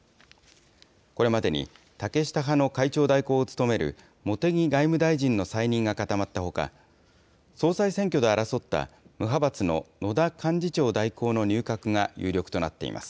これまでに、竹下派の会長代行を務める茂木外務大臣の再任が固まったほか、総裁選挙で争った無派閥の野田幹事長代行の入閣が有力となっています。